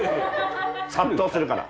殺到するから。